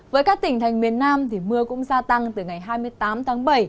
với các tỉnh thành miền nam mưa cũng gia tăng từ ngày hai mươi tám tháng bảy